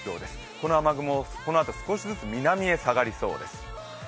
この雨雲、このあと少しずつ南へ下がりそうです。